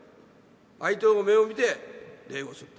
相手の目を見て礼をする。